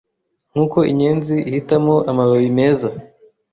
Nkuko inyenzi ihitamo amababi meza